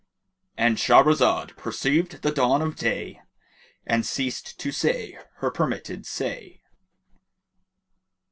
"—And Shahrazad perceived the dawn of day and ceased to say her permitted say.